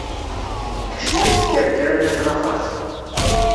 Tekcem-it tkerkra n at laxeṛt.